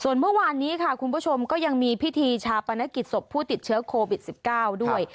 ส่วนเมื่อวานนี้ค่ะคุณผู้ชมก็ยังมีพิธีชาปนกิจศพผู้ติดเชื้อโควิด๑๙ด้วย